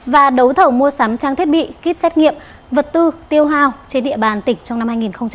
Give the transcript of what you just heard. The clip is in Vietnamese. và đấu thẩu mua sắm trang thiết bị kít xét nghiệm vật tư tiêu hào trên địa bàn tỉnh trong năm hai nghìn hai mươi một